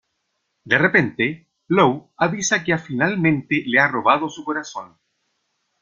De repente, Law avisa que finalmente le ha robado su corazón.